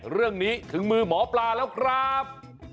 เรื่องนี้ถึงมือหมอปลาแล้วครับ